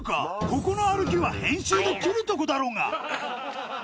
ここの歩きは編集で切るとこだろうが！